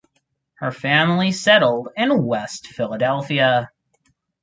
Her family settled in West Philadelphia.